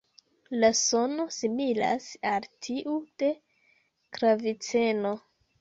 La sono similas al tiu de klaviceno.